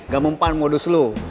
gak mempahan modus lo